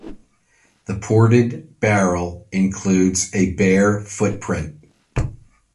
The ported barrel includes a bear footprint.